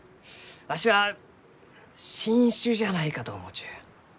わしは新種じゃないかと思うちゅう。